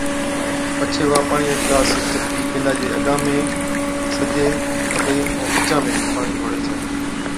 پڇي وا پاڻِيئا چا گلاس چتِي بِينڏا چي اگا ۾ سجي، کٻي ائُون بِچا ۾ پاڻِي ڍوڙي ڇَي